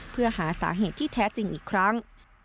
เพื่อหาสาเหตุที่แท้จริงอีกครั้ง